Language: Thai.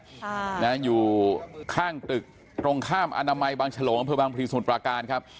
ค่ะนะอยู่ข้างตึกตรงข้ามอนามัยบางฉลงอำเภอบางพลีสมุทรปราการครับ